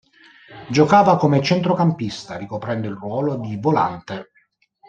Giocava come centrocampista, ricoprendo il ruolo di "volante".